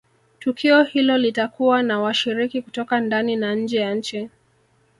tukio hilo litakuwa na washiriki kutoka ndani na nje ya nchi